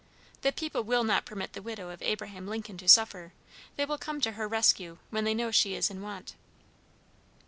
The people will not permit the widow of Abraham Lincoln to suffer; they will come to her rescue when they know she is in want."